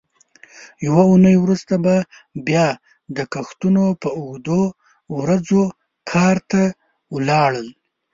یوه اوونۍ وروسته به بیا د کښتونو په اوږدو ورځو کار ته ولاړل.